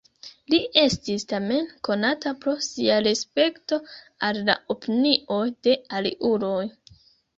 Li estis tamen konata pro sia respekto al la opinioj de aliuloj.